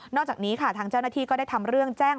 จากนี้ค่ะทางเจ้าหน้าที่ก็ได้ทำเรื่องแจ้ง